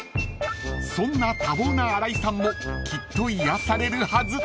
［そんな多忙な新井さんもきっと癒やされるはず］